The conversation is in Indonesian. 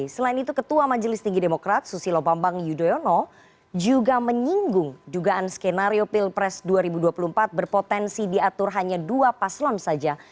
selain itu ketua majelis tinggi demokrat susilo bambang yudhoyono juga menyinggung dugaan skenario pilpres dua ribu dua puluh empat berpotensi diatur hanya dua paslon saja